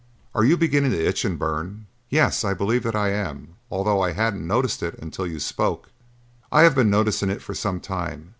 Are you beginning to itch and burn?" "Yes, I believe that I am, although I hadn't noticed it until you spoke." "I have been noticing it for some time.